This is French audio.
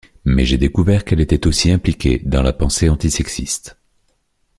Mais j’ai découvert qu’elle était aussi impliquée dans la pensée anti-sexiste.